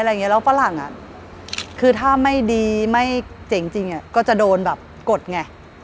แล้วฝรั่งคือถ้าไม่ดีไม่เจ๋งจริงก็จะโดนแบบกดไง